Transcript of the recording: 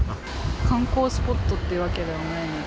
観光スポットっていうわけではないので。